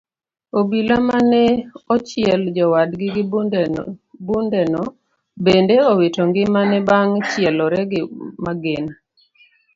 Obila mane ochiel jowadgi gi bundeno bende owito ngimane bang' chielore gi magina.